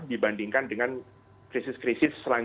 dibandingkan dengan krisis krisis selama ini